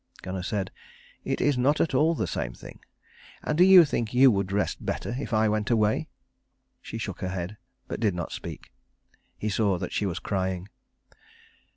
Gunnar said, "It is not at all the same thing. And do you think you would rest better if I went away?" She shook her head, but did not speak. He saw that she was crying.